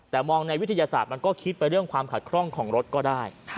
แต่มองในวิทยาศาสตร์มันก็คิดไปเรื่องความขัดคล่องของรถก็ได้